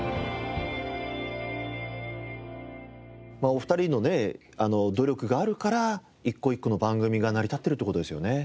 お二人のね努力があるから一個一個の番組が成り立ってるって事ですよね。